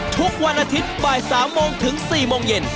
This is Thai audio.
ทุกวันอาทิตย์บ่าย๓โมงถึง๔โมงเย็น